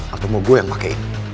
atau mau gue yang pake